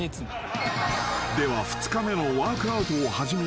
［では２日目のワークアウトを始めよう］